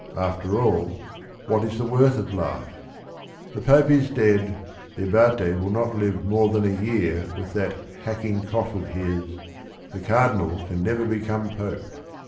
After all, what is the worth of life ? The Pope is dead, the Abate will not live more than a year with that "hacking cough" of his, the Cardinal can never become Pope.